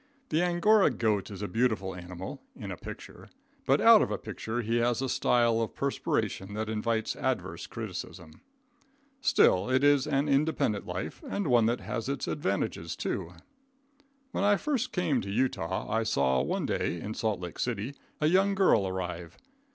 The Angora goat is a beautiful animal in a picture. But out of a picture he has a style of perspiration that invites adverse criticism. Still, it is an independent life, and one that has its advantages, too. When I first came to Utah, I saw one day, in Salt Lake City, a young girl arrive.